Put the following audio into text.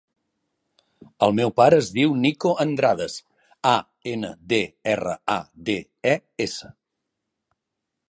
El meu pare es diu Nico Andrades: a, ena, de, erra, a, de, e, essa.